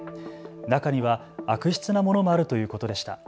中には悪質なものもあるということでした。